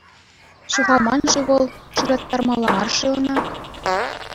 Ҫухалман-ши вӑл, шыраттармалла мар-ши ӑна?